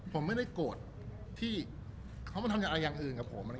ผมไม่ได้โกรธที่เขามาทำอะไรอย่างอื่นกับผม